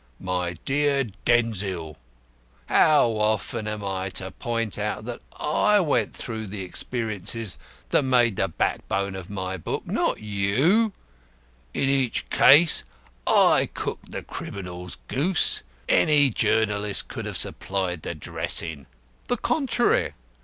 "My dear Denzil, how often am I to point out that I went through the experiences that make the backbone of my book, not you? In each case I cooked the criminal's goose. Any journalist could have supplied the dressing." "The contrary.